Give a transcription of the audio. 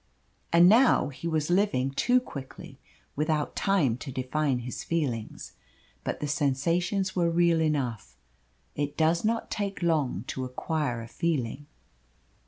And now he was living too quickly, without time to define his feelings. But the sensations were real enough. It does not take long to acquire a feeling.